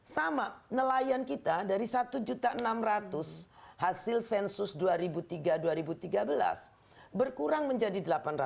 sama nelayan kita dari satu enam ratus hasil sensus dua ribu tiga dua ribu tiga belas berkurang menjadi delapan ratus